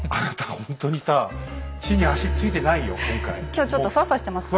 今日ちょっとふわふわしてますかね。